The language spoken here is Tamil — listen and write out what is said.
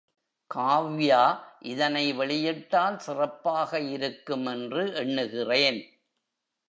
காவ்யா இதனை வெளியிட்டால் சிறப்பாக இருக்கும் என்று எண்ணுகிறேன்.